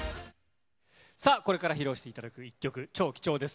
これから披露していただく一曲、超貴重です。